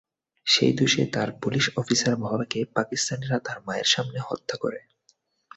সেই দোষে তার পুলিশ অফিসার বাবাকে পাকিস্তানিরা তার মায়ের সামনে হত্যা করে।